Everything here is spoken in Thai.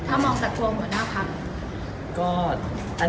ถ้ามองแต่ครับตัวหมอหน้าพลักษณ์